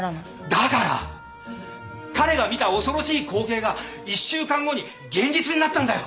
だから彼が見た恐ろしい光景が１週間後に現実になったんだよ。